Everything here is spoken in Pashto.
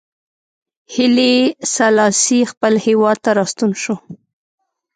هیلي سلاسي خپل هېواد ته راستون شو.